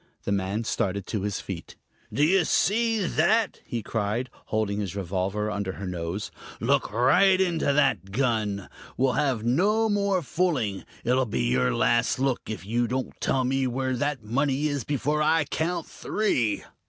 The man started to his feet. "Do you see that?" he cried, holding his revolver under her nose. "Look right into that gun! We'll have no more fooling. It'll be your last look if you don't tell me where that money is before I count three."